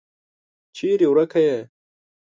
چیري ورکه یې ؟